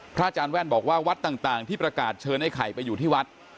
อาจารย์แว่นบอกว่าวัดต่างที่ประกาศเชิญไอ้ไข่ไปอยู่ที่วัด